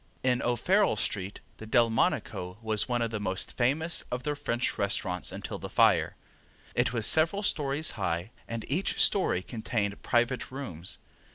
In O'Farrell street the Delmonico was one of the most famous of the French restaurants until the fire. It was several stories high, and each story contained private rooms.